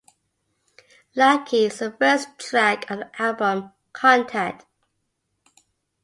"Lucky" is the first track of the album "Contact!".